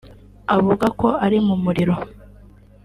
avuga ko ari mu muriro